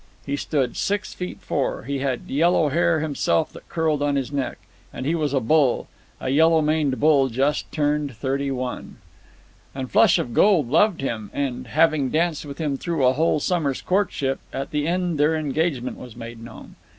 He stood six feet four; he had yellow hair himself that curled on his neck; and he was a bull—a yellow maned bull just turned thirty one. "And Flush of Gold loved him, and, having danced him through a whole summer's courtship, at the end their engagement was made known.